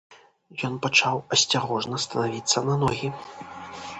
Ён пачаў асцярожна станавіцца на ногі.